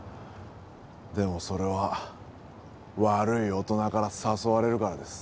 でもそれは悪い大人から誘われるからです。